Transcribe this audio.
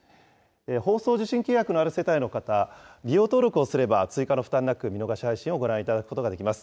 放送受信契約のある世帯の方、利用登録をすれば追加の負担なく見逃し配信をご覧いただくことができます。